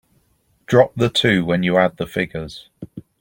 Drop the two when you add the figures.